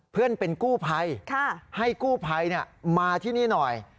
เพื่อนเป็นกู้ภัยให้กู้ภัยมาที่นี่หน่อย